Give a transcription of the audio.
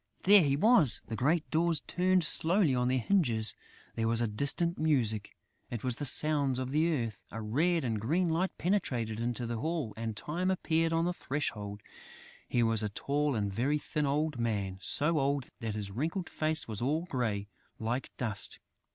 There he was! The great doors turned slowly on their hinges. There was a distant music: it was the sounds of the earth. A red and green light penetrated into the hall; and Time appeared on the threshold. He was a tall and very thin old man, so old that his wrinkled face was all grey, like dust.